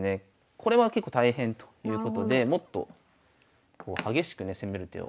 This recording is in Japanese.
これは結構大変ということでもっと激しくね攻める手を。